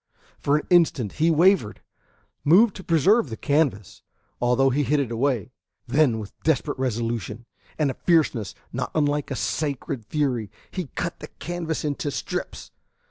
For an instant he wavered, moved to preserve the canvas, although he hid it away; then with desperate resolution, and a fierceness not unlike a sacred fury, he cut the canvas into strips.